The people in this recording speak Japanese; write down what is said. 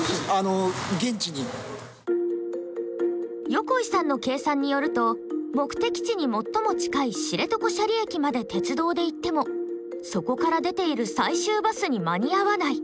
横井さんの計算によると目的地に最も近い知床斜里駅まで鉄道で行ってもそこから出ている最終バスに間に合わない。